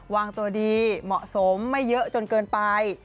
วางตัวดีเหมาะสมไม่เยอะจนเกินไป